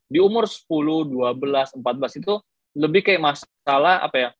di umur sepuluh dua belas empat belas itu lebih kayak masalah apa ya